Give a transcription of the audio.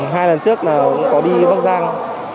hai lần trước là có đi bắc giang